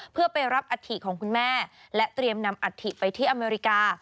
เพื่อไปรับอัฐิของคุณแม่และเตรียมนำอัฐิไปที่อเมริกา